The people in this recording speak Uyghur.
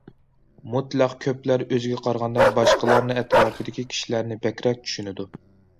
مۇتلەق كۆپلەر ئۆزىگە قارىغاندا باشقىلارنى، ئەتراپىدىكى كىشىلەرنى بەكرەك چۈشىنىدۇ.